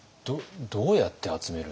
どうやって集めるんですか？